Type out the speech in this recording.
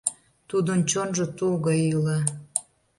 Тудын чонжо тул гай йӱла.